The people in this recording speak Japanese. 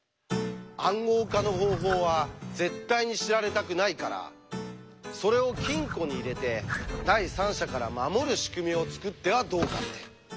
「暗号化の方法」は絶対に知られたくないからそれを金庫に入れて第三者から守る仕組みを作ってはどうかって。